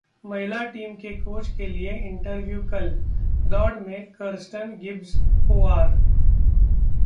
महिला टीम के कोच के लिए इंटरव्यू कल, दौड़ में कर्स्टन, गिब्स, पोवार